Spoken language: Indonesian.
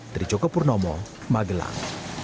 dari jokopurnomo magelang